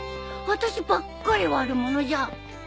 私ばっかり悪者じゃん